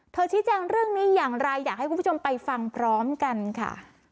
ชี้แจงเรื่องนี้อย่างไรอยากให้คุณผู้ชมไปฟังพร้อมกันค่ะ